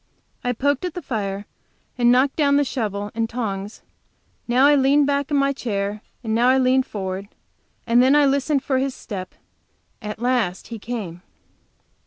I poked at the fire and knocked down the shovel and tongs, now I leaned back in my chair, and now I leaned forward, and then I listened for his step. At last he came.